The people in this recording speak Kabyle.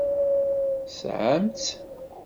Tesɛam-tt.